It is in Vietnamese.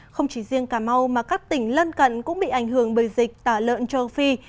không chỉ riêng cà mau mà các tỉnh lân cận cũng bị ảnh hưởng bởi dịch tả lợn châu phi